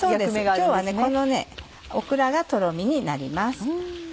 今日はこのオクラがとろみになります。